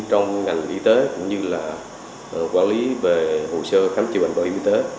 trong ngành y tế cũng như là quản lý về hồ sơ khám chữa bệnh bảo hiểm y tế